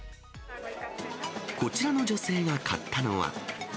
こちらの女性が買ったのは。